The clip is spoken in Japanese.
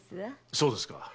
そうですか。